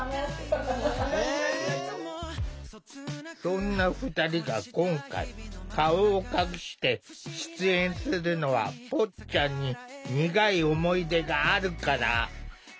そんな２人が今回顔を隠して出演するのはぽっちゃんに苦い思い出があるから。